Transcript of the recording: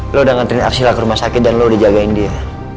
lo udah nganterin arshila ke rumah sakit dan lo udah jagain dia